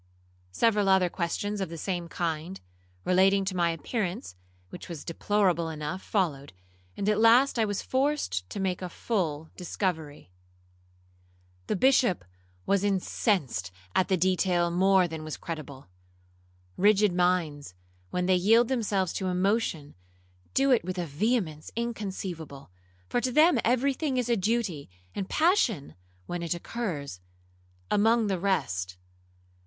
Several other questions of the same kind, relating to my appearance, which was deplorable enough, followed, and at last I was forced to make a full discovery. The Bishop was incensed at the detail more than was credible. Rigid minds, when they yield themselves to emotion, do it with a vehemence inconceivable, for to them every thing is a duty, and passion (when it occurs) among the rest.